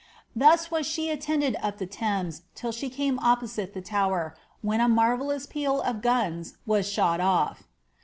Thus was she attended up the Thames till she came opposite the Tower, when a manrellona peld of guns was shot off!